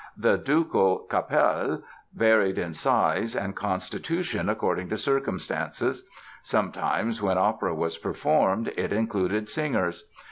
The ducal "Kapelle" varied in size and constitution according to circumstances. Sometimes, when opera was performed, it included singers.